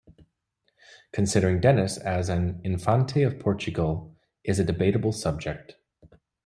Considering Denis an "Infante of Portugal" is a debatable subject.